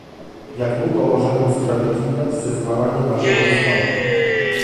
Jak długo możemy usprawiedliwiać zezwalanie na rządy zła?